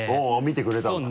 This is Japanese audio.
見てくれたんだ？